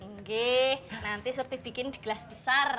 nggih nanti surti bikin di gelas besar